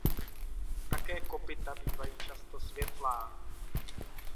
Také kopyta bývají často světlá.